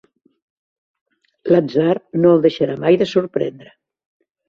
L'atzar no el deixarà mai de sorprendre.